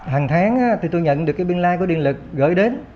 hằng tháng thì tôi nhận được cái pin like của điện lực gửi đến